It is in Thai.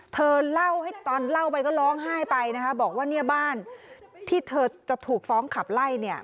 เธอเล่าให้ตอนเล่าไปก็ร้องไห้ไปนะคะบอกว่าเนี่ยบ้านที่เธอจะถูกฟ้องขับไล่เนี่ย